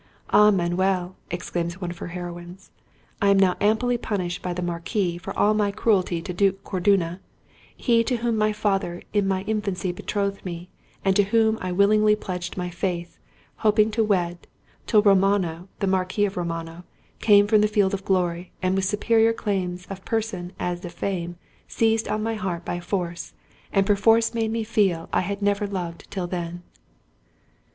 "Ah, Manuel!" exclaims one of her heroines, "I am now amply punished by the Marquis for all my cruelty to Duke Cordunna—he to whom my father in my infancy betrothed me, and to whom I willingly pledged my faith, hoping to wed; till Romono, the Marquis of Romono, came from the field of glory, and with superior claims of person as of fame, seized on my heart by force, and perforce made me feel I had never loved till then."